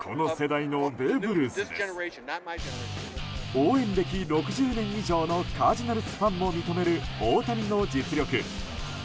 応援歴６０年以上のカージナルスファンも認める大谷の実力。